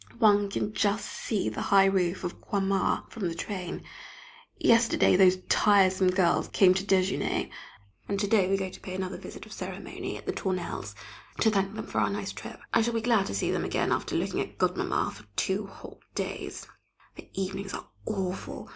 One can just see the high roof of Croixmare from the train. Yesterday those tiresome girls came to déjeûner, and to day we go to pay another visit of ceremony at the Tournelles', to thank them for our nice trip. I shall be glad to see them again after looking at Godmamma for two whole days. The evenings are awful.